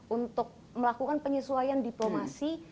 untuk melakukan penyesuaian diplomasi